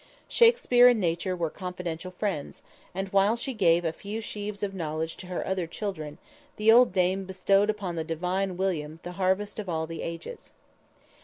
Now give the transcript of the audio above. Shakspere and Nature were confidential friends, and, while she gave a few sheaves of knowledge to her other children, the old Dame bestowed upon the "Divine" William the harvest of all the ages.